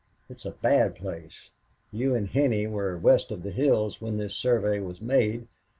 It's a bad place. You an' Henney were west in the hills when this survey was made.